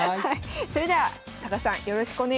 それでは高橋さんよろしくお願いします。